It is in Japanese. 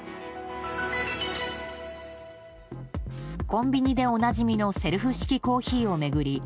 コンビニでおなじみのセルフ式コーヒーを巡り